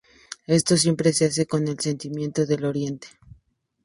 Esto siempre se hace con el consentimiento del Oriente.